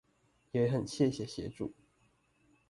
也很謝謝協助